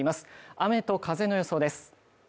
雨と風の予想です。